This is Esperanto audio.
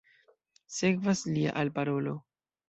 Sekvas lia alparolo.